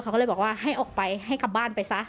เขาก็เลยบอกว่าให้ออกไปให้กลับบ้านไปซะ